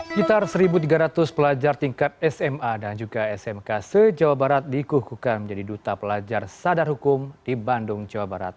sekitar satu tiga ratus pelajar tingkat sma dan juga smk se jawa barat dikukuhkan menjadi duta pelajar sadar hukum di bandung jawa barat